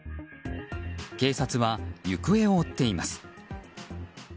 警察は行方を追っています。